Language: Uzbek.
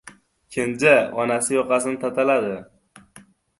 Kenja, onasi yoqasini tataladi.